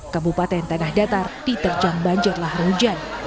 kabupaten tanah datar diterjang banjirlah hujan